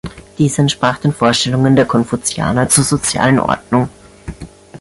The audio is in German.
Dies entsprach den Vorstellungen der Konfuzianer zur sozialen Ordnung.